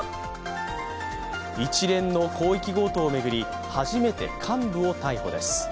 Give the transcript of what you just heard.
一連の広域強盗を巡り、初めて幹部を逮捕です。